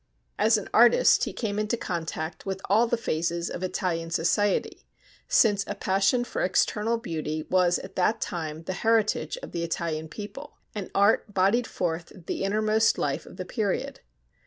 As an artist he came into contact with all the phases of Italian society, since a passion for external beauty was at that time the heritage of the Italian people, and art bodied forth the innermost life of the period.